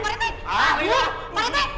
pak rete anak saya tadi bantuan